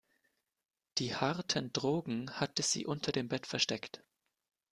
Die harten Drogen hatte sie unter dem Bett versteckt.